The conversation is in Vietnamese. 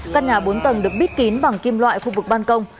căn nhà bốn tầng được bít kín bằng kim loại khu vực ban công